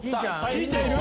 ひーちゃんいる？